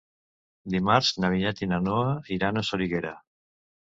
Dimarts na Vinyet i na Noa iran a Soriguera.